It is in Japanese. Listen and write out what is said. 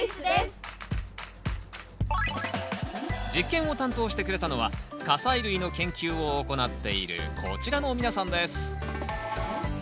実験を担当してくれたのは果菜類の研究を行っているこちらの皆さんです